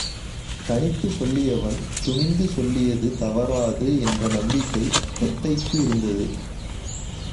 கணித்துச் சொல்லியவன் துணிந்து சொல்லியது தவறாது என்ற நம்பிக்கை தத்தைக்கு இருந்தது.